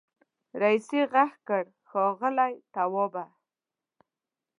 رئيسې غږ کړ ښاغلی توابه.